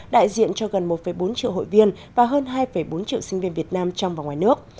đại diện cho gần một bốn triệu hội viên và hơn hai bốn triệu sinh viên việt nam trong và ngoài nước